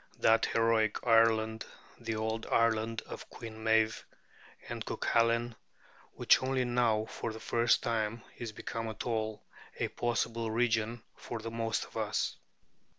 that heroic Ireland, the old Ireland of Queen Meave and Cuculain, which only now for the first time is become at all a possible region for the most of us.